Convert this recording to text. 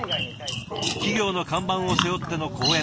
企業の看板を背負っての講演。